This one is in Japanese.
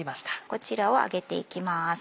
こちらを揚げていきます。